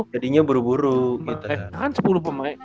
jadinya buru buru gitu